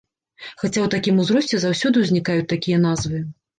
Хаця ў такім узросце заўсёды ўзнікаюць такія назвы!